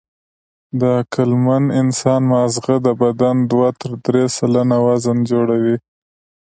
د عقلمن انسان ماغزه د بدن دوه تر درې سلنه وزن جوړوي.